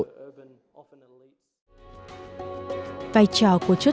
vài trò của chốt chặn kiểm lâm là rất quan trọng